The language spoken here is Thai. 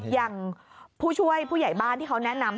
อย่างผู้ช่วยผู้ใหญ่บ้านที่เขาแนะนำ